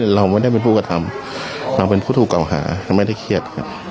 เราไม่ได้เป็นผู้กระทำเราเป็นผู้ถูกเก่าหาเราไม่ได้เครียดครับ